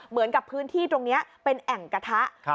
เหมือนกับพื้นที่ตรงนี้เป็นแอ่งกระทะ